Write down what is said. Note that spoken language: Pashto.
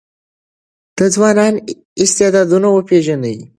د ځوانانو استعدادونه وپېژنئ.